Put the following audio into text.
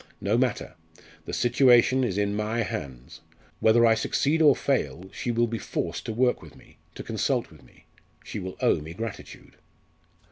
No matter! The situation is in my hands. Whether I succeed or fail, she will be forced to work with me, to consult with me she will owe me gratitude.